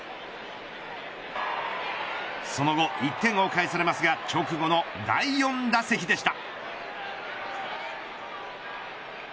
その後、１点を返されますが今日、直後の第４打席でした。